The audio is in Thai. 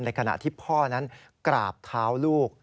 ขณะที่พ่อนั้นกราบเท้าลูก